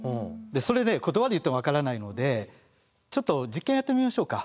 それね言葉で言っても分からないのでちょっと実験やってみましょうか。